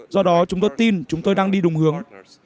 do đó chúng tôi tin chúng tôi đang đi đúng hướng